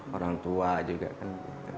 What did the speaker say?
orang tua juga kan